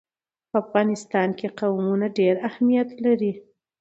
په افغانستان کې قومونه ډېر اهمیت لري.